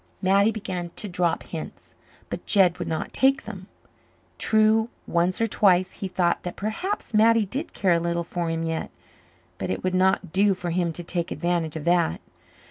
Mattie began to drop hints. But Jed would not take them. True, once or twice he thought that perhaps Mattie did care a little for him yet. But it would not do for him to take advantage of that.